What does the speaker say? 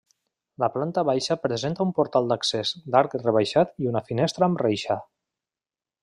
La planta baixa presenta un portal d'accés d'arc rebaixat i una finestra amb reixa.